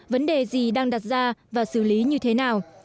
vấn đề gì đang đặt ra và xử lý như thế nào